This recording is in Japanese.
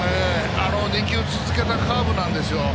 ２球続けたカーブなんです。